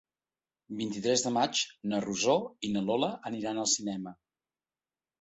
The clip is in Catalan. El vint-i-tres de maig na Rosó i na Lola aniran al cinema.